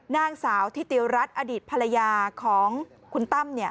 นางสาวทิติรัฐอดีตภรรยาของคุณตั้ม